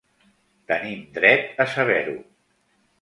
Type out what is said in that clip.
Tenim dret a saber-ho.